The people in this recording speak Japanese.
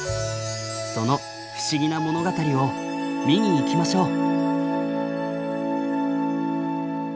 その不思議な物語を見に行きましょう。